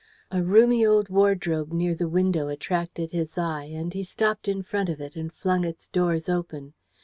A roomy old wardrobe near the window attracted his eye, and he stopped in front of it and flung its doors open.